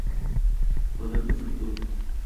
Cuadernos nocturnos.